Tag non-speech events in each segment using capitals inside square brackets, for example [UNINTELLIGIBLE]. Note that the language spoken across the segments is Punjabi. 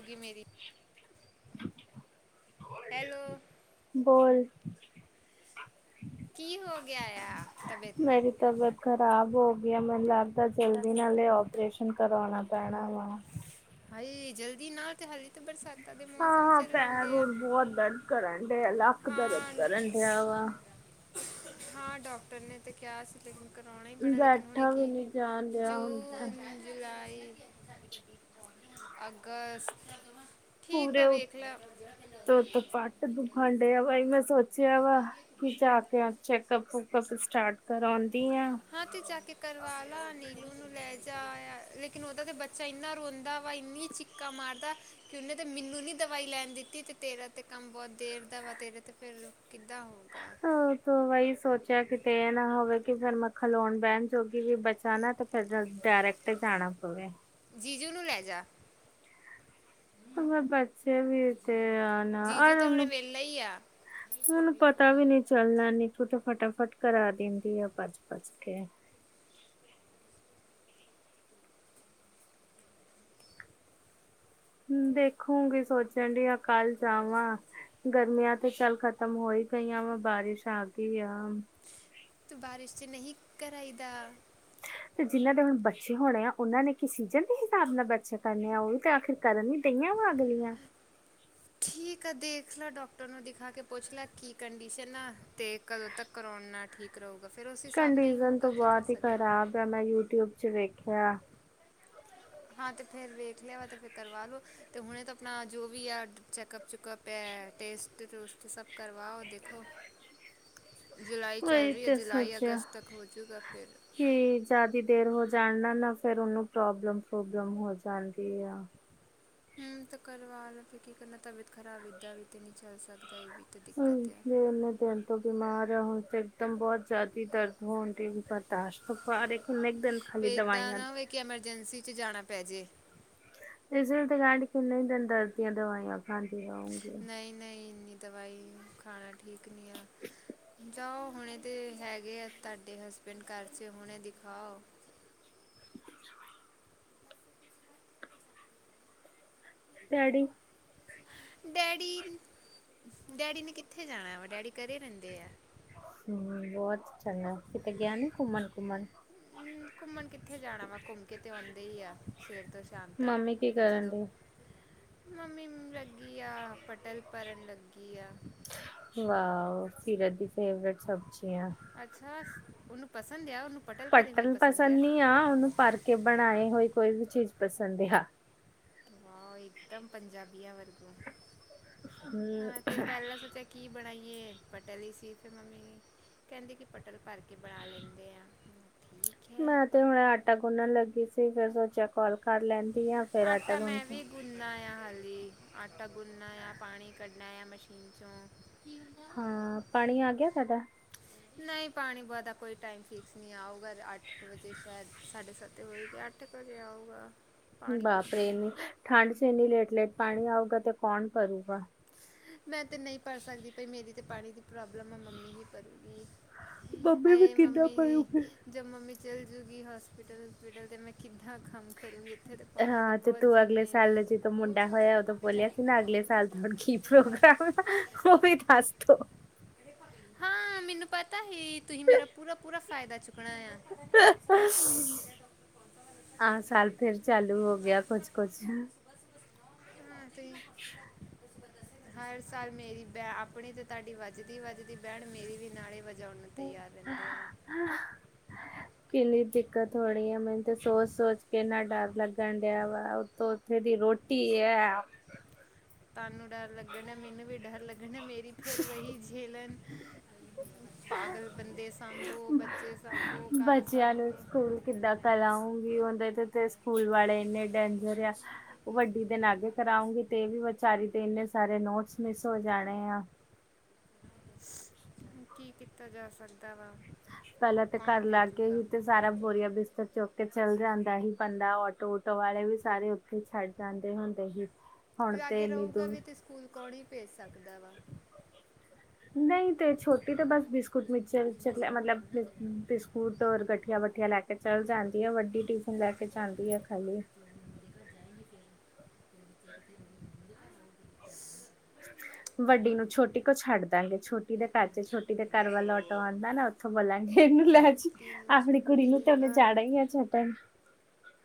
ਹੋਗੀ ਮੇਰੀ ਹੈਲੋ ਬੋਲ ਕੀ ਹੋ ਗਿਆ ਆ ਤਬੀਅਤ ਨੂੰ ਮੇਰੀ ਤਬੀਅਤ ਖ਼ਰਾਬ ਹੋ ਗਈ ਆ ਮੈਨੂੰ ਲੱਗਦਾ ਜਲਦੀ ਨਾਲੇ ਆਪਰੇਸ਼ਨ ਕਰਵਾਣਾ ਪੈਣਾ ਐ ਨਵਾ। ਹਾਏ ਜਲਦੀ ਨਾ ਤੇ ਹਾਲ ਤੇ ਬਰਸਾਤ ਹਾਂ-ਹਾਂ ਪੈਰ ਹੁਣ ਬਹੁਤ ਦਰਦ ਕਰਨ ਡਿਆ ਲੱਕ ਦਰਦ ਹਾਂ ਕਰਨ ਡਿਆ ਵਾ। ਹਾਂ ਡਾਕਟਰ ਨੇ ਤੇ ਕਿਹਾ ਸੀ ਲੇਕਨ ਕਰਾਉਣਾ ਹੀ ਪੈਣਾ ਲੇਕਿਨ ਹੁਣੇ ਬੈਠਾ ਵੀ ਕੀ ਨੀ ਜਾਣ ਡਿਆ ਜੋ ਹੁਣ ਤੇ। ਉਨ ਜੁਲਾਈ ਅਗਸਤ ਠੀਕ ਆ ਵੇਖ ਲਏ। ਪਾਠ [INAUDIBLE] ਦੁਖਨ ਡਿਆ ਵਾ ਉਹੀ ਮੈਂ ਸੋਚਿਆ ਜਾਵਾ ਖੁਦ ਜਾ ਕੇ ਚੈਕਅਪ ਵੁਕਅਪ ਸਟਾਰਟ ਕਰਾਉਂਦੀ ਆ। ਹਾਂ ਤੇ ਜਾ ਕੇ ਕਰਵਾਲਾ ਨੀਲੂ ਨੂੰ ਲੈ ਜਾ ਲੇਕਿਨ ਉਹਦਾ ਤੇ ਬੱਚਾ ਇੰਨਾ ਰੋਂਦਾ ਵਾ ਇੰਨੀ ਚ ਕਾ ਮਾਰਦਾ ਕਿ ਉਹਨੇ ਤੇ ਮੀਨੂ ਨੀ ਦਵਾਈ ਲੈਣ ਦਿੱਤੀ ਤੇ ਤੇਰਾ ਤੇ ਕੰਮ ਬਹੁਤ ਦੇਰ ਦਾ ਵਾ ਤੇਰੇ ਤੇ ਫਿਰ ਕਿੱਦਾਂ ਹੋਊਗਾ? ਹਾ ਤੇ ਵਹੀ ਸੋਚਿਆ ਕਿਤੇ ਇਹ ਨਾ ਹੋਵੇ ਕਿ ਫੇਰ ਮੱਖਣ ਲਾਉਣ ਬਹਿਣ। ਕਿਉਕਿ ਫੇਰ ਬਚਣਾ ਤੇ ਫਿਰ ਡਾਇਰੈਕਟ ਜਾਣਾ ਪਵੇ। ਜੀਜੂ ਨੂੰ ਲੈ ਜਾ। ਵੇ ਬੱਚੇ ਵੀ ਤੇ ਆ ਨਾ ਜੀਜੂ ਤੇ ਹੁਣੇ ਉਹਨੂੰ ਵਿਹਲਾ ਹੀ ਆ ਉਹਨੂੰ ਪਤਾ ਵੀ ਨੀ ਚੱਲਣਾ ਨੀਤੂ ਤਾਂ ਫਟਾਫਟ ਕਰਾ ਦਿੰਦੀ ਆ ਭੱਜ ਭੱਜ ਕੇ। ਦੇਖੂਗੀ ਸੋਚਣ ਡਿਆ ਕੱਲ ਜਾਵਾਂ। ਗਰਮੀਆਂ ਤੇ ਚੱਲ ਖਤਮ ਹੋ ਹੀ ਗਈਆਂ ਵਾ ਬਾਰਿਸ਼ ਆ ਗਈ ਆ। ਤੂੰ ਬਾਰਿਸ਼ ਤੇ ਨਹੀਂ ਕਰਾਈ ਦਾ। ਤੇ ਜਿਹਨਾਂ ਦੇ ਹੁਣ ਬੱਚੇ ਹੋਣੇ ਆ ਉਹਨਾਂ ਨੇ ਕਿ ਸੀਜਨ ਦੇ ਹਿਸਾਬ ਨਾਲ ਬੱਚੇ ਕਰਨੇ ਆ ਉਹ ਵੀ ਤੇ ਆਖਿਰ ਕਰਨ ਵੀ ਤੇਈਆਂ ਵਧ ਗਈਆਂ ਠੀਕ ਆ ਦੇਖ ਲਾ ਡਾਕਟਰ ਨੂੰ ਦਿਖਾ ਕੇ ਪੁੱਛ ਲੈ ਕੀ ਕੰਡੀਸ਼ਨ ਆ ਤੇ ਕਦੋਂ ਤੱਕ ਕਰਾਉਣ ਨਾ ਠੀਕ ਕਰੂਗਾ ਫਿਰ ਉਸ ਹਿਸਾਬ ਨਾਲ ਹੀ ਹੋਊਗਾ ਕੀ ਕਰ ਸਕਦੇ ਹਾਂ। ਕੱਲ ਮੈਂ ਯੂਟਿਊਬ ਚ ਵੇਖਿਆ ਹਾਂ ਤੇ ਫਿਰ ਵੇਖ ਲਿਆ ਅਤੇ ਫਿਰ ਕਰਵਾ ਲਉ ਅਤੇ ਹੁਣੇ ਤਾਂ ਆਪਣਾ ਜੋ ਵੀ ਆ ਚੈੱਕਅਪ ਚੁੱਕਅਪ ਪੈ ਟੇਸਟ ਟੂਸਟ ਸਭ ਕਰਵਾਓ ਦੇਖੋ ਜੁਲਾਈ ਚੱਲ ਉਹੀ ਰਹੀ ਹੈ ਤੇ ਜੁਲਾਈ ਸੋਚਿਆ ਅਗਸਤ ਤੱਕ ਹੋਜੂਗਾ ਫਿਰ। ਕਿ ਜਿਆਦੀ ਦੇਰ ਹੋ ਜਾਣ ਨਾ ਨਾ ਫੇਰ ਉਹਨੂੰ ਪ੍ਰੋਬਲਮ ਪ੍ਰੂਬਲਮ ਹੋ ਜਾਂਦੀ ਆ। ਹਮ ਤਾਂ ਕਰਵਾ ਲੋ ਫਿਰ ਕੀ ਕਰਨਾ ਤਬੀਅਤ ਖ਼ਰਾਬ ਏਦਾਂ ਵੀ ਤੇ ਨਹੀਂ ਚੱਲ ਸਕਦਾ ਇਹ ਵੀ ਤਾਂ ਹਮ ਦਿੱਕਤ ਆ ਦੇ [INAUDIBLE] ਉਹਨੇ ਦੇ ਬਿਮਾਰ ਹੈ ਹੁਣ ਤੇ ਇੱਕਦਮ ਬਹੁਤ ਜ਼ਿਆਦੀ ਦਰਦ ਹੋਣ ਮੇਰੀ ਬਰਦਾਸ਼ਤ ਤੋਂ ਬਾਹਰ ਹੈ। ਫੇਰ ਇਹਦਾ ਨਾ ਹੋਵੇ ਕਿ ਐਮਰਜੈਂਸੀ ਚ ਜਾਣਾ ਪੈ ਜੇ। [INAUDIBLE] ਕਿੰਨੇ ਹੀ ਦਿਨ ਦਰਦ ਦੀਆਂ ਦਵਾਈਆਂ ਖਾਂਦੀ ਰਹੋਗੇ। ਨਹੀਂ ਨਹੀਂ ਇੰਨੀ ਦਵਾਈ ਖਾਣਾ ਠੀਕ ਨਹੀਂ ਆ। ਜਾਓ ਹੁਣੇ ਤੇ ਹੈਗੇ ਆ ਤਾਡੇ ਹਸਬੈਂਡ ਘਰ ਚ ਹੁਣੇ ਦਿਖਾਓ। [INAUDIBLE] ਡੈਡੀ ਡੈਡੀ, ਡੈਡੀ ਨੇ ਕਿੱਥੇ ਜਾਣਾ ਵਾ ਡੈਡੀ ਘਰੇ ਰਹਿੰਦੇ ਐ। ਹਮ ਬਹੁਤ ਚੰਗਾ ਹੈ ਕਿਤੇ ਗਿਆ ਨੀ ਘੁੰਮਣ - ਘੁੰਮਣ। ਹਮ ਘੁੰਮਣ ਕਿੱਥੇ ਜਾਣਾ ਵਾ ਘੁੰਮ ਕੇ ਤੇ ਆਉਂਦੇ ਹੀ ਆ ਸਵੇਰ ਤੋਂ ਸ਼ਾਮ ਮੰਮੀ ਕੀ ਤੱਕ ਅਜੀ ਕਰਨ ਦੋ ਡਈ? ਮੰਮੀ ਹਮ ਲੱਗੀ ਆ ਪਟਲ ਭਰਨ ਲੱਗੀ ਆ। ਵਾਹ ਸੀਰਤ ਦੀ ਫੇਵਰੇਟ ਸਬਜ਼ੀਆ ਅੱਛਾ ਉਹਨੂੰ ਪਸੰਦ ਆ ਉਹਨੂੰ ਪਟਲ ਭਰੇ ਹੋਏ ਪਸੰਦ ਆ। ਆ ਉਹਨੂੰ ਭਰ ਕੇ ਬਣਾਏ ਹੋਏ ਕੋਈ ਵੀ ਚੀਜ਼ ਪਸੰਦ ਆ। ਵਾਹ ਇੱਕਦਮ ਪੰਜਾਬੀ ਆ ਵਰਗੋਂ ਹੂੰ ਹਾਂ ਤੇ ਪਹਿਲਾਂ ਸੋਚਿਆ। ਕੀ ਬਣਾਈਏ ਬਟਲ ਈ ਸੀ ਫਿਰ ਮੰਮੀ ਕਹਿੰਦੇ ਕਿ ਪਟਲ ਭਰ ਕੇ ਬਣਾ ਲੈਂਦੇ ਆਂ ਠੀਕ ਹੈ। ਮੈਂ ਤੇ ਹੁਣ ਆਟਾ ਗੁੰਨਣ ਲੱਗੀ ਸੀ ਫਿਰ ਸੋਚਿਆ ਕਾਲ ਕਰ ਲੈਂਦੀ ਆਂ। ਆਟਾ ਮੈਂ ਵੀ ਗੁੰਨਨਾ ਆ ਹਾਲੀ ਆਟਾ ਗੁੰਨਨਾ ਆ ਪਾਣੀ ਕੱਢਨਾ ਆ ਮਸ਼ੀਨ 'ਚੋਂ ਹਾਂ ਪਾਣੀ ਆ ਗਿਆ ਸਾਡਾ ਨਹੀਂ ਪਾਣੀ ਪ ਦਾ ਕੋਈ ਟਾਈਮ ਫਿਕਸ ਨਹੀਂ ਆਊਗਾ ਅੱਠ ਕੁ ਵਜੇ ਸ਼ਾਇਦ ਸਾਢੇ ਸੱਤ ਤੇ ਹੋ ਗਿਆ ਅੱਠ ਤੇ ਭਰਿਆ ਆਊਗਾ। ਪਾਣੀ ਬਾਪ ਰੇ ਭਰਨਾ ਹੈ ਏਨੀ ਫਿਰ ਠੰਡ 'ਚ ਏਨੀ ਲੇਟ ਲੇਟ ਪਾਣੀ ਆਊਗਾ ਤੇ ਕੌਣ ਭਰੂਗਾ। ਮੈਂ ਤੇ ਨਹੀਂ ਭਰ ਸਕਦੀ ਪਈ ਮੇਰੀ ਤੇ ਪਾਣੀ ਦੀ ਪ੍ਰੋਬਲਮ ਆ ਮੰਮੀ ਹੀ ਭਰੂਗੀ। ਮੰਮੀ ਵੀ ਹਾਏ ਕਿੱਦਾਂ ਮੰਮੀ ਭਰੂਗੀ ਜੀ। ਜਦ ਮੰਮੀ ਚੱਲ ਜੂਗੀ ਹੋਸਪਿਟਲ- ਹੁਸਪਿਟਲ ਤਾਂ ਮੈਂ ਕਿੱਦਾਂ ਕੰਮ ਕਰੂੰਗੀ। ਇੱਥੇ ਤੇ ਪਾਣੀ ਦਾ ਹਾਂ ਤੇ ਬਹੁਤ ਤੂੰ ਅਗਲੇ ਝਮੇਲਾ ਸਾਲ ਦਾ ਹੈ। ਜਦੋਂ ਮੁੰਡਾ ਹੋਇਆ ਉਦੋਂ ਬੋਲਿਆ ਸੀ ਨਾ ਅਗਲੇ ਸਾਲ ਦਾ ਹੁਣ ਕੀ ਪ੍ਰੋਗਰਾਮ ਉਹ ਵੀ ਦਸ ਦੋ। ਹਾਂ ਮੈਨੂੰ ਪਤਾ ਹੀ ਤੁਸੀਂ ਮੇਰਾ ਪੂਰਾ -ਪੂਰਾ ਫਾਇਦਾ ਚੁੱਕਣਾ ਆ। [INAUDIBLE] ਆ ਸਾਲ ਫੇਰ ਚਾਲੂ ਹੋ ਗਿਆ ਕੁਛ -ਕੁਛ ਹੂੰ ਤੇ ਹਰ ਸਾਲ ਮੇਰੀ ਬ ਆਪਣੀ ਤੇ ਤੁਹਾਡੀ ਵੱਜਦੀ ਵੱਜਦੀ ਬੈਂਡ ਮੇਰੀ ਵੀ ਨਾਲ ਹੀ ਵੱਜ ਜਾਣ ਨੂੰ ਤਿਆਰ ਰਹਿੰਦੇ ਆ। ਹਾਂ ਕਿੰਨੀ ਦਿੱਕਤ ਹੋ ਰਹੀ ਆ ਮੈਨੂੰ ਤੇ ਸੋਚ- ਸੋਚ ਕੇ ਇੰਨਾ ਡਰ ਲੱਗਣ ਡਿਆ ਵਾ। ਤੇ ਉੱਥੇ ਦੀ ਰੋਟੀ ਏ। ਤਾਨੂੰ ਡਰ ਲੱਗਣ ਮੈਨੂੰ ਵੀ ਡਰ ਲੱਗਣਾ ਮੇਰੀ ਫਿਰ ਵਹੀ ਝੇਲਣ ਪਾਗਲ ਬੰਦੇ ਸਾਂਭੋ ਬੱਚੇ ਸਾਂਭੋ ਘਰ ਸਾਂਭੋ। ਹੁਣ ਕਿੱਦਾਂ ਕਲ ਆਊਗੀ ਉਂਦੇ ਤੇ -ਤੇ ਸਕੂਲ ਵਾਲੇ ਇੰਨੇ ਡੇਂਜਰ ਆ। ਉਹ ਵੱਡੀ ਦਿਨ ਆਗੇ ਕਰਾਉਂਗੀ ਤੇ ਇਹ ਵੀ ਵਿਚਾਰੀ ਦੇ ਇੰਨੇ ਸਾਰੇ ਨੋਟਸ ਮਿਸ ਹੋ ਜਾਣੇ ਆ। ਕੀ ਕੀਤਾ ਜਾ ਸਕਦਾ ਵਾ। ਪਹਿਲਾਂ ਤੇ ਕੌਣ ਘਰ ਲਾਗੇ ਭੇਜੂਗਾ ਹੀ ਤੇ ਸਾਰਾ ਬੋਰੀਆ ਬਿਸਤਰ ਚੁੱਕ ਕੇ ਚੱਲ ਜਾਂਦਾ ਸੀ ਬੰਦਾ ਆਟੋ ਓਟੋ ਵਾਲੇ ਵੀ ਸਾਰੇ ਉ ਤੇ ਛੱਡ ਜਾਂਦੇ ਹੁੰਦੇ ਸੀ। ਹੁਣ ਤੇ ਲਾਗੇ ਇੰਨੀ ਰਹੂਗਾ ਦੂਰ ਵੀ ਤੇ ਸਕੂਲ ਕੌਣ ਹੀ ਭੇਜ ਸਕਦਾ ਵਾ। ਨਹੀਂ ਤੇ ਛੋਟੀ ਤੇ ਬਸ ਬਿਸਕੁਟ ਮਿਕਚਰਰ ਮਤਲਬ ਬਿਸਕੁਟ ਔਰ ਗਟ ਮਠੀਆ ਮਠਆ ਲੈ ਕੇ ਚਲ ਜਾਂਦੀ ਹੈ ਵੱਡੀ ਟਿਫਨ ਲੈ ਕੇ ਜਾਂਦੀ ਹੈ ਖਾਲੀ ਜਾਏਗੀ ਤੇ ਹੈ। ਵੱਡੀ ਨੂੰ ਛੋਟੀ ਕੋ ਛੱਡ ਦਾਂਗੇ ਛੋਟੀ ਛੋਟੀ ਦੇ ਘਰ 'ਚ ਛੋਟੀ ਦੇ ਘਰ ਵੱਲ ਆਟੋ ਆਉਂਦਾ ਨਾ ਉੱਥੋਂ ਬੋਲਾਂਗੇ ਇਹਨੂੰ ਲੈ ਜਈ। ਵੱਡੀ ਨੂੰ ਆਪਣੀ ਕੁੜੀ ਛੋਟੀ ਨੂੰ ਦੇ ਤੇ ਉਹਣੇ ਘਰ ਜਾਣਾ ਈ ਆ ਛਡਣ।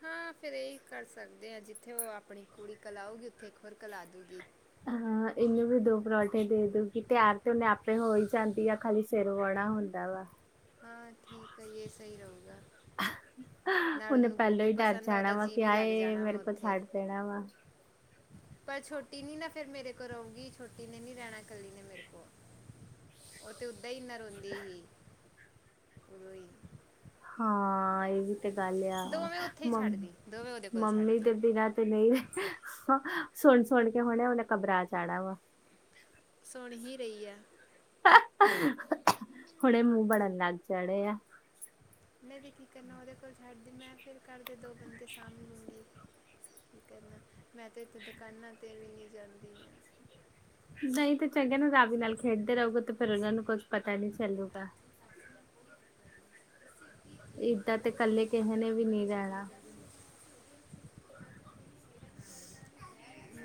ਹਾਂ ਫੇਿਰ ਇਹੀ ਕਰ ਸਕਦੇ ਹਾਂ ਜਿੱਥੇ ਉਹ ਆਪਣੀ ਕੁੜੀ ਕਲਾਉਗੀ ਉੱਥੇ ਇੱਕ ਹੋਰ ਕਲਾ ਦੂਗੀ [UNINTELLIGIBLE] ਹਾਂ [INAUDIBLE] ਇਹਨੂੰ ਵੀ ਦੋ ਪਰੌਂਠੇ ਦੇ ਦੂਗੀ ਤਿਆਰ ਤੇ ਉਹਨੇ ਆਪੇ ਹੋ ਹੀ ਜਾਂਦੀ ਆ ਖਾਲੀ ਸਿਰ ਬਹੁਣਾ ਹੁੰਦਾ ਵਾ। ਹਾਂ ਠੀਕ ਹੈ ਇਹ ਸਹੀ ਰਹੂਗਾ। ਨਾਲ ਉਹਨੇ ਉਹਨੂੰ ਪਹਿਲੋ ਗੋਪੂ ਹੀ ਡਰ ਪਸੰਦ ਆ ਜਾਣਾ ਉਹਦਾ ਵਾ ਜੀ ਕਿ ਵੀ ਲੱਗ ਹਾਏ ਜਾਣਾ ਵਾ ਮੇਰੋ ਕੋਲ ਉੱਥੇ ਛੱਡ ਦੇਣਾ ਵਾਂ। ਪਰ ਛੋਟੀ ਨੀ ਨਾ ਫ਼ਿਰ ਮੇਰੋ ਕੋਲ ਰਉਗੀ ਛੋਟੀ ਨੇ ਨੀ ਰਹਿਣਾ ਕੱਲੀ ਨੇ ਮੇਰੇ ਕੋਲ ਉ ਤੇ ਉਦਾ ਹੀ ਇਨਾ ਰੋਂਦੀ ਹੀ ਉਦੋ ਈ। ਹਾਂ ਏਹੀ ਤੇ ਗੱਲ ਆ ਦੋਵੇਂ ਉੱਥੇ ਹੀ ਮਮ ਛੱਡਦੀ ਦੋਵੇਂ ਉਹਦੇ ਕੋਲ ਮੰਮੀ ਛੱਡਦੀ ਦੇ ਬਿਨਾ ਤੇ ਨਹੀਂ। [INAUDIBLE] ਹਾਂ ਸੁਣ -ਸੁਣ ਕੇ ਹੁਣੇ ਉਹਨੇ ਘਬਰਾ ਜਾਣਾ ਵਾਂ। ਸੁਣ ਹੀ ਰਹੀ ਆ। ਹੁਣ ਇਹ ਮੂੰਹ ਬੜਨ ਲੱਗ ਚੜੇ ਆ [UNINTELLIGIBLE] ਬਹਿ ਕੇ ਕਿ ਕਰਨਾ ਉਹਦੇ ਕੋਲ ਛੱਡ ਦੇ ਮੈਂ ਫ਼ਿਰ ਘਰ ਦੇ ਦੋ ਬੰਦੇ ਸਾਂਭ ਲੂੰਗੀ। ਕੀ ਕਰਨਾ ਮੈਂ ਤਾਂ ਇੱਥੇ ਦੁਕਾਨਾਂ ਤੇ ਵੀ ਨਹੀਂ ਜਾਂਦੀ। ਨਹੀਂ ਤੇ ਚੰਗਾ ਨਾ ਰਾਵੀ ਨਾਲ ਖੇਡਦੇ ਰਹੋਗੇ ਤੇ ਫੇਰ ਏਨਾ ਨੂੰ ਕੁੱਝ ਪਤਾ ਨਹੀਂ ਚੱਲੂਗਾ। ਏਦਾਂ ਤੇ ਕੱਲੇ ਕਿਹੇ ਨੇ ਵੀ ਨੀ ਰਹਿਣਾ। [INAUDIBLE]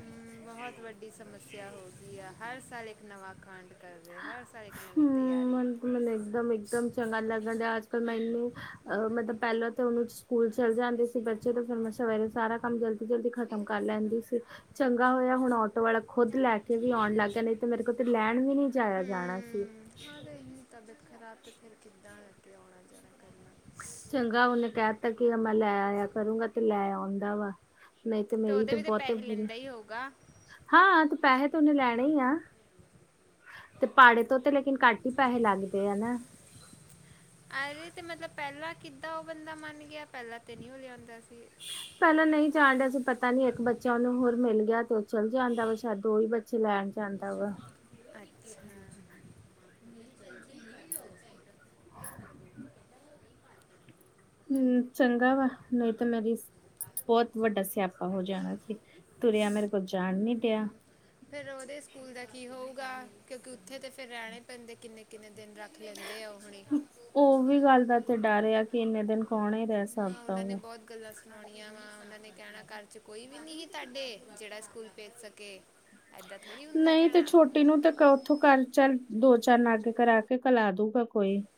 ਬਹੁਤ ਵੱਡੀ ਸੱਮਸਿਆ ਹੋ ਗਈ ਆ। ਹਰ ਸਾਲ ਇਕ ਨਵਾਂ ਕਾਂਡ। ਕਰ ਰਹੇ ਹਰ ਸਾਲ ਇੱਕ ਨਵੀਂ ਹਮ ਤਿਆਰੀ। ਮੈਨੂੰ ਇੱਕਦਮ ਇੱਕਦਮ ਚੰਗਾ ਲੱਗਣ ਡਿਆ ਅੱਜ ਕਲ ਮੈਨੂੰ। ਅਹ ਮਤਲਬ ਪਹਿਲਾ ਤੋ ਮੈ ਸਕੂਲ ਚਲ ਜਾਂਦੀ ਸੀ ਬੱਚੇ ਤੇ ਫ਼ਿਰ ਮੈਂ ਸਵੇਰੇ ਸਾਰਾ ਕੰਮ ਜਲਦੀ ਜਲਦੀ ਖਾ। ਕੰਮ ਕਰ ਲੈਂਦੀ ਸੀ। ਚੰਗਾ ਹੋਇਆ ਹੁਣ ਆਟੋ ਵਾਲਾ ਖੁਦ ਲੈਕੇ ਵੀ ਆਉਣ ਲਗ ਗਿਆ ਨਹੀਂ ਤੇ ਮੇਰੋ ਕੋਲ ਤੇ ਲੈਣ ਵੀ ਨਹੀਂ। ਜਾਇਆ ਜਾਣਾ ਸੀ। ਹਮ ਹਾਂ [INAUDIBLE] ਕਿੰਨੀ ਤਬੀਅਤ ਖਰਾਬ ਤੇ ਫੇਰ ਕਿਦਾ ਅੱਗੇ ਆਉਣਾ ਕਰਨਾ। ਚੰਗਾ ਉਨੇ ਕਹਿ ਤਾਂ ਕੀ ਮੈਂ ਲੈ ਆਇਆ ਕਰੂੰਗਾ ਤੇ ਲੈ ਆਉਂਦਾ ਵਾਂ। ਨਹੀਂ ਤੇ ਮੇਰੀ ਉਹਦੇ ਤੇ ਵੀ ਬਹੁਤ ਈ ਪੈਸੇ ਬੁਰੀ, ਲੈਂਦਾ ਹੀ ਹੋਊਗਾ ਹਾ ਤੇ ਪੈਸੇ ਤੇ ਓੰਨੇ ਲੈਣੇ ਹੀ ਆ। ਤੇ ਪਾੜੇ ਤੋਂ ਤੇ ਲੇਕਿਨ ਘੱਟ ਹੀ ਪੈਸੇ ਲਗਦੇ ਐਨਾ। [UNINTELLIGIBLE] ਏਵੇਂ ਤੇ ਮਤਲਬ ਪਹਿਲਾਂ ਕਿਦਾ ਉਹ ਬੰਦਾ ਮਨ ਗਿਆ। ਪਹਿਲਾ ਤੇ ਨਹੀਂ ਉਹ ਲਿਆਂਦਾ ਸੀ। ਪਹਿਲਾ ਨਹੀਂ ਜਾਣ ਡਿਆ ਸੀ ਪਤਾ ਨਹੀਂ ਇਕ ਬੱਚਾ ਉਹਨੂੰ ਹੋਰ ਮਿਲ ਗਿਆ ਫੇਰ ਚਲ ਜਾਂਦਾ ਵਾ ਸ਼ਾਇਦ ਦੋ ਹੀ ਬੱਚੇ ਲੈਨ ਜਾਂਦਾ ਵਾਂ। ਅੱਛਾ [INAUDIBLE] [INAUDIBLE] ਹੁ ਚੰਗਾ ਵਾਂ ਨਹੀਂ ਤੇ ਮੇਰੀ ਬੋਤ ਬਡਾ ਸਿਆਪਾ ਹੋ ਜਾਨਾ ਸੀ। ਤੁਰਿਆ ਮੇਰੇ ਕੋਲ ਜਾਣ ਨਹੀਂ ਡਿਆ। ਫ਼ੇਰ ਓਦੇ ਸਕੂਲ ਦਾ ਕਿ ਹੋਊਗਾ। ਕਿਉਂਕੀ ਉਥੇ ਤੇ ਫੇਰ ਰਹਿਣੇ ਪੈਂਦੇ ਕਿੰਨੇ ਕਿੰਨੇ ਦਿਨ ਰੱਖ ਲੈਂਦੇ ਆ ਓਹ। ਉਹ ਵੀ ਗੱਲ ਦਾ ਇਥੇ ਡਰ ਇਆ ਕਿ ਇੰਨੇ ਦਿਨ ਕੋਣ ਹੀ ਰਹਿ ਸ ਹਾਂ, ਉਹਨਾਂ ਨੇ ਬਹੁਤ। ਗੱਲਾ ਸੁਣਾਉਣੀਆਂ ਵਾਂ ਉਹਨਾਂ ਨੇ ਕਹਿਣਾ ਘਰ ਚ ਕੋਈ ਵੀ ਨਹੀਂ ਸੀ ਤੁਹਾਡੇ। ਜਿਹੜਾ ਸਕੂਲ ਭੇਜ ਸਕੇ। ਐਦਾਂ ਥੋੜੀ ਹੁੰਦਾ ਨਹੀਂ ਤਾਂ ਕਹਿਣਾ ਛੋ ਤੈਨੂੰ ਧੱਕਾ ਓਥੂ ਘਰ ਚਲ ਦੋ ਚਾਰ ਨਾਗੇ ਕਰਾਕੇ ਕਲਾਹਦੁ ਕਾ ਕੋਈ। [UNINTELLIGIBLE]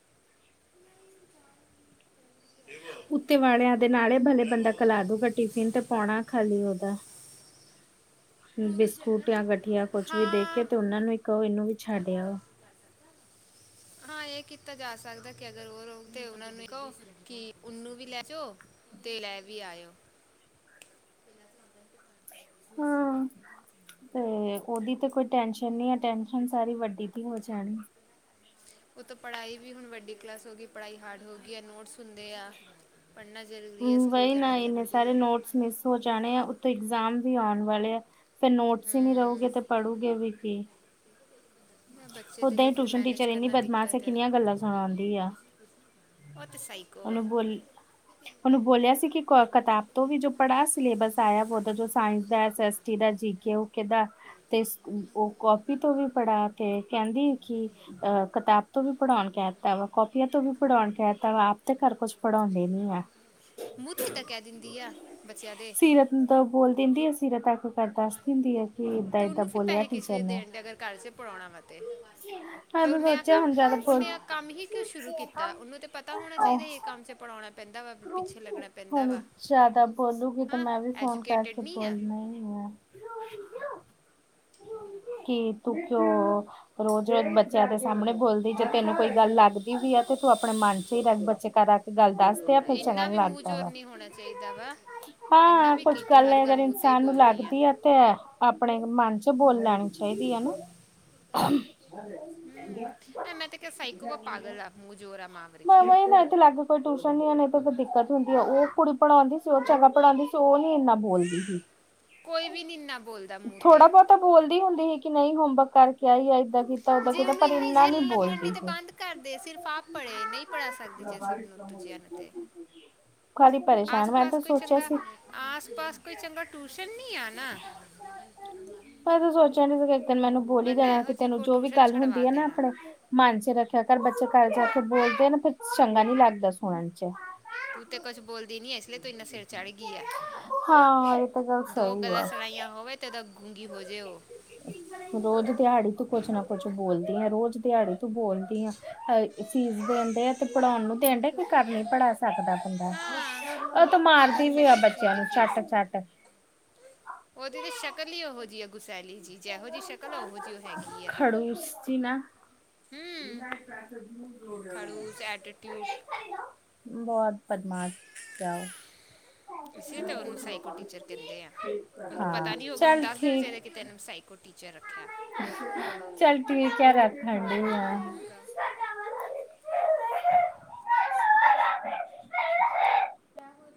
ਦੇਵੋ ਉੱਤੇ ਵਾਲਿਆ ਦੇ ਨਾਲੇ ਭਲੇ ਬੰਦਾ ਘਲਾਦੁ ਗਾ ਟੀਫਿਨ ਤੇ ਪਾਉਣਾ ਖਾਲੀ ਉਦਾ। [UNINTELLIGIBLE] ਬਿਸਕੁਟ ਯਾ ਗਾਠੀਆ ਕੁਛ ਵੀ ਦੇਕੇ ਹਾਂ ਤੇ ਉਨ੍ਹਾਂ ਨੂੰ ਹੀ ਕਹੋ ਏਨੂੰ ਵੀ ਛੱਡ ਆਓ। ਹਾਂ ਏ ਕੀਤਾ ਜਾ ਸਕਦਾ ਕਿ ਅਗਰ ਉਹ ਰੁਕਦੇ ਤੇ ਉਨ੍ਹਾਂ ਨੂੰ ਕਹੋ ਉਨੂੰ ਵੀ ਲੇ ਜਾਓ। ਤੇ ਲੈ ਵੀ ਆਇਓ। [INAUDIBLE] ਤੇ ਉਹਦੀ ਤੇ ਕੋਈ ਟੈਂਸ਼ਨ ਨਹੀਂ ਹੈ। ਟੈਂਸ਼ਨ ਸਾਰੀ ਵੱਡੀ ਦੀ ਹੋ ਜਾਣੀ। ਉਤੋਂ ਪੜਾਈ ਵੀ ਹੁਣ ਵੱਡੀ ਕਲਾਸ ਹੋ ਗਈਂ ਪੜਾਈ ਹਾਰਡ ਹੋ ਗਈ ਹਾਂ। ਨੋਟਸ ਹੰਦੇ ਆ ਪੜ੍ਹਨਾ ਜ਼ਰੂਰੀ ਹੈ ਸਕ ਸਕੂਲ ਜਾਣਾ ਜ਼ਰੂਰੀ ਹੈ ਸਮੀਸ ਹੋ ਜਾਣੇ ਆ ਉੱਥੋਂ ਇਗਜ਼ਾਮ ਵੀ ਆਉਣ ਵਾਲੇ ਆ ਫਿਰ ਨੋਟਸ ਹੀ ਨਹੀਂ ਹੂੰ ਰਹੂਗੇ ਤੇ ਪੜ੍ਹੂਗੇ ਵੀ ਕੀ ਮੈਂ ਬੱਚੇ ਦੇ ਓਦਾਂ ਲਈ ਹੀ ਫਿਰ ਟਊਸ਼ਨ ਮੈਨੇਜ ਟੀਚਰ ਇੰਨੀ ਕਰਨਾ ਬਦਮਾਸ਼ ਹੈ ਦਿੱਕਤ ਆ ਕਿੰਨੀਆਂ ਗੱਲਾਂ ਸੁਣਾਉਂਦੀ ਆ। ਉਹ ਤੇ ਸਾਈਕੋ ਆ ਉਹਨੂੰ ਬੋਲ ਉਹਨੂੰ ਬੋਲਿਆ ਸੀ ਕਿ ਕਿਤਾਬ ਤੋਂ ਵੀ ਜੋ ਪੜ੍ਹਾ ਸਿਲੇਬਸ ਆਇਆ ਬ ਜੋ ਸਾਇੰਸ ਦਾਸ ਟੀ ਦਾ ਜੀ ਕੇ ਓਕੇ ਦਾ [UNINTELLIGIBLE] ਤੇ ਉਹ ਕਾਪੀ ਤੋਂ ਵੀ ਪੜ੍ਹਾ ਤੇ ਕਹਿੰਦੀ ਅਹ ਕਿਤਾਬ ਤੋਂ ਵੀ ਪੜ੍ਹਾਉਣ ਕਹਿ ਦਿੱਤਾ ਵਾ ਕਾਪੀਆਂ ਤੋਂ ਵੀ ਪੜ੍ਹਾਉਣ ਕਹਿ ਦਿੱਤਾ ਵਾ ਆਪ ਤੇ ਘਰ ਕੁਛ ਪੜ੍ਹਾਉਂਦੇ ਨੀ ਏ ਮੂੰਹ ਤੇ ਇੱਦਾਂ ਕਹਿ ਦਿੰਦੀ ਆ ਬੱਚਿਆਂ ਦੇ ਸੀਰਤ ਬੋਲ ਦਿੰਦੀ ਆ ਸਿਰ ਤੱਕ ਕਰ ਦੱਸ ਦਿੰਦੀ ਹੈ [UNINTELLIGIBLE] ਤੇ ਏਦਾਂ ਉਨਹੂ ਫ਼ਿਰ ਬੋਲਿਆ ਪੈਸੇ ਕਿਸ ਲਈ ਦੇਂਡਏ ਫ਼ਿਰ ਕਰ ਚੇ ਪੜਾਉਣਾ ਵਾਂ ਤੇ। ਜੀਹਾ ਹਾਂ ਫਿਰ ਤੂੰ ਉਹਨੇ ਆ ਸੋਚਿਆਂ ਕੰਮ ਹੁਣ ਜ਼ਿਆਦਾ ਭੁੱਲ ਉਹਨੇ ਆ ਕੰਮ ਹੀ ਕਿਉਂ ਸ਼ੁਰੂ ਕੀਤਾ ਉਹਨੂੰ ਤੇ ਪਤਾ ਹੋਣਾ ਆਹ। ਚਾਹੀਦਾ ਇਹ ਕੰਮ 'ਚ ਪੜਾਉਣਾ ਪੈਂਦਾ ਵਾ ਪਿੱਛੇ ਲੱਗਣਾ ਪੈਂਦਾ ਹੁਣ ਵਾ ਜਿਆਦਾ ਬੋਲੂਗੀ ਤੇ ਹਾਂ ਮੇ ਵੀ ਫੋਨ ਐਜੂਕੇਟਿਡ ਕੈਕੇ ਨਹੀਂ ਆ ਬੋਲਣਾ ਹੈ ਕਿ ਤੂੰ ਕਿਉਂ ਰੋਜ਼ ਰੋਜ਼ ਬੱਚ ਬੱਚਿਆ ਦੇ ਸਾਹਮਣੇ ਬੋਲਦੀ ਜੇ ਤੈਨੂੰ ਕੋਈ ਗੱਲ ਲੱਗਦੀ ਵੀ ਆ ਤੇ ਤੂੰ ਆਪਣੇ ਮਨ ਚ ਹੀ ਰਹਿ ਬੱਚੇ ਕਰ ਆ ਕੇ ਗੱਲ ਦੱਸਦੇ ਆ ਹਾਂ, ਫਿਰ ਚੰਗਾ ਇੰਨਾ ਨੀ ਵੀ ਮੂੰਹ ਲੱਗਦਾ ਜੋੋਰ ਵਾ। ਨੀ ਹੋਣਾ ਚਾਹੀਦਾ ਵਾ ਇੰਨਾ ਹਾਂ ਵੀ ਕੁੱਝ ਕੀ ਤੂੰ ਗੱਲ ਹਰ ਅਗਰ ਮੂੰਹ ਤੇ ਹੀ ਇਨਸਾਨ ਨੂੰ ਬੋਲਣੀ ਆ ਲੱਗਦੀ ਹੈ ਤੇ ਆਪਣੇ ਮਨ ਚ ਬੋਲ ਲੈਣੀ ਚਾਹੀਦੀ ਹੈ ਨਾ ਹਮ ਐ ਮੈਂ ਤੇ ਕ ਸਾਈਕੋ ਵ ਪਾਗਲ ਆ ਮ ਜੋਰ ਮ ਮਾਮਈ ਨਾ ਤੇ ਲਗੂ ਕੋਈ ਟਿਊਸ਼ਨ ਨੀ ਆ ਤੇ ਕੋਈ ਦਿੱਕਤ ਹੁੰਦੀ ਹੈ ਉਹ ਕੁੜੀ ਪੜ੍ਹਾਉਂਦੀ ਸੀ ਉਹ ਜਗਾ ਪੜ੍ਹਾਉਂਦੀ ਸੀ ਉਹ ਨੀ ਇੰਨਾ ਬੋਲਦੀ ਸੀ। ਕੋਈ ਵੀ ਨੀ ਇਨਾ ਬੋਲਦਾ ਮੂੰਹ ਤੇ ਤਾਂ ਬੋਲਦੀ ਹੁੰਦੀ ਸੀ ਕਿ ਨਹੀਂ ਹੋਮਵਰਕ ਕਰਕੇ ਆਈ ਆ ਇਏਦਾਂ ਕਿ ਜੇ ਉਹਨੂੰ ਇੰਨੀ ਜੇ ਲੱਗਣ ਡ ਤੇ ਬੰਦ ਕਰਦੇ ਸਿਰਫ਼ ਆਪ ਪੜ੍ਹੇ ਨਹੀਂ ਪੜ੍ਹਾ ਸਕਦੇ ਜੇ ਸਭ ਨੂੰ ਦੂਜਿਆਂ ਨੂੰ ਤੇ ਖਾਲੀ ਆਸ ਪਰੇਸ਼ਾਨ ਮੈਂ ਪਾਸ ਤਾਂ ਕੋਈ ਸੋਚਿਆ ਚੰਗਾ ਸੀ ਆਸ ਪਾਸ ਕੋਈ ਚੰਗਾ ਟਊਸ਼ਨ ਨ ਆ ਨਾ ਹ ਮੈਂ ਤੂੰ ਸੋਚਿਆ ਨੀ ਸੀ ਇੱਕ ਦਿਨ ਮੈਨੂੰ ਬੋਲਲੀ ਵਰਨਾ ਦੇਣਾ ਇਹੋ ਕਿ ਜਿਹੀ ਤੈਨੂੰ ਕੋ ਜੋ ਵੀ ਟਿਊਸ਼ਨ ਗੱਲ ਛੜਵਾ ਹੁੰਦੀ ਹੈ ਨਾ ਦੇਣਾ ਆਪਣੇ ਮਨ ਚ ਰੱਖਿਆ ਕਰ ਬੱਚੇ ਘਰ ਜਾ ਕੇ ਬੋਲਦੇ ਆ ਨਾ ਫਰ ਚੰਗਾ ਨਹੀਂੀ ਲੱਗਦਾ ਸੁਣਨ ਚ ਤੂੰ ਤੇ ਕੁਛ ਬੋਲਦੀ ਨੀ ਇਸ ਲਈ ਤੂੰ ਇੰਨਾ ਸਿਰ ਚੜ੍ਹ ਗਈ ਆ ਹਾਂ ਇਹ ਤਾਂ ਗੱਲ ਸਹੀ ਆ ਕਿੱ ਤੱਕ ਗੂੰਗੀ ਹੋ ਜਾੇਓ ਰੋਜ਼ ਦਿਹਾੜੀ ਤ ਕੁਛ ਨਾ ਕੁਛ ਬੋਲਦੀ ਆ ਰੋਜ਼ ਦਿਹਾੜੀ ਤੂੰ ਬੋਲਦੀ ਹ ਫੀਸ ਦੇਣ ਡ ਤੇ ਪੜ੍ਹਾਉਣ ਨੂੰ ਦੇਣ ਡ ਕਿ ਕਰ ਨੀ ਪੜ੍ਹਾ ਸਕਦਾ ਹਾਂ ਉਹ ਤੇ ਕਿ ਮਾਰਦੀ ਤੂੰ ਵੀ ਫਿਰ ਆ ਕਿਸ ਚੀਜ਼ ਬੱਚਿਆਂ ਦੀ ਨੂੰ ਫੀਸ ਛੱਟ ਛੱਟ ਉਹਦੀ ਤੇ ਸ਼ਕਲ ਹੀਈ ਉਹੋ ਜਿਹੀ ਹੈ ਗੁਸੈਲੀ ਜੀ ਜਹੋ ਜਿਹੀ ਸ਼ਕਲ ਆ ਉਹੋ ਜੀ ਉਹ ਹੈਗੀ ਆ ਖੜੂਸੀ ਨਾ ਹੂੰ ਇਨਾਸ ਬ ਰੋਡ ਖੜੂਸ ਐਟੀਟਿਊਡ ਬਹੁਤ ਬਦਮਾਸ਼ ਪਿਆ ਉਹ ਅ ਤੇਨੂੰ ਸਕੋ ਟੀਚਰ ਕਹਿੰਦੇ ਆ ਉਹਨੂੰ ਪਤਾੀ ਹੋਊਗਾ ਉਹਨੂੰ ਦੱਸ ਦੇਣਾ ਚਾਹੀਦਾ ਕਿ ਤੈੂੰ ਸਾਈਕੋ ਟੀਚਰ ਰੱਖਿਆ ਚੱਲ ਠੀਕ ਕਿਆ ਰਹਿਤਾ ਹਂਡੀ ਠੀਕ ਹੈ [UNINTELLIGIBLE] ਹ [UNINTELLIGIBLE] [UNINTELLIGIBLE]